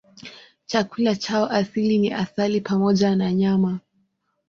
Chakula chao asili ni asali pamoja na nyama.